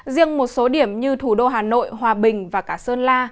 riêng một số điểm như thủ đô hà nội hòa bình và cả sơn la